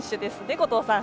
後藤さん。